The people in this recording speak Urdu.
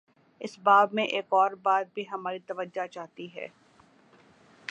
اس باب میں ایک اور بات بھی ہماری توجہ چاہتی ہے۔